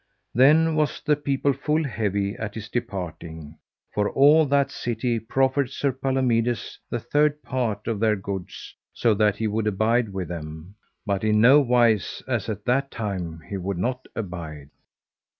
Then was the people full heavy at his departing, for all that city proffered Sir Palomides the third part of their goods so that he would abide with them; but in no wise as at that time he would not abide.